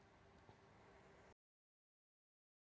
berita terkini mengenai cuaca ekstrem dua ribu dua puluh satu di jepang